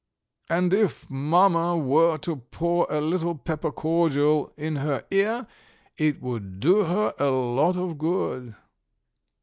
And if Mamma were to pour a little pepper cordial in her ear it would do her a lot of good."